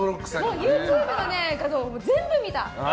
ＹｏｕＴｕｂｅの動画全部見た！